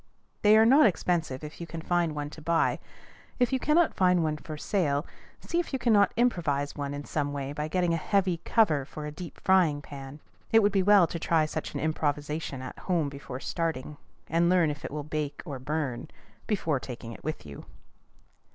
They are not expensive if you can find one to buy. If you cannot find one for sale, see if you cannot improvise one in some way by getting a heavy cover for a deep frying pan. It would be well to try such an improvisation at home before starting, and learn if it will bake or burn, before taking it with you.